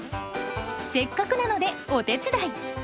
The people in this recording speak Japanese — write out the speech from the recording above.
せっかくなのでお手伝い。